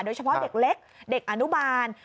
โดยเฉพาะเด็กเล็กเด็กอนุบาล